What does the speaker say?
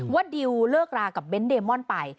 ดิวเลิกรากับเบ้นเดมอนไป